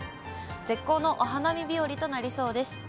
絶好のお花見日和となりそうです。